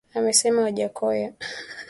amesema Wajackoya